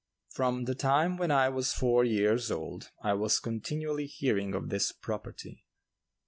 From the time when I was four years old I was continually hearing of this "property."